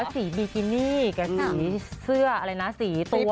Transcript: สีบิกินี่สีเสื้อสีตัว